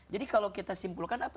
jadi kalau kita simpulkan apa